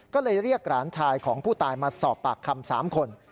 ก็เลยเรียกหลานชายของผู้ตายมาสอบปากคำ๓คน